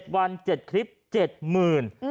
๗วัน๗คลิป๗หมื่น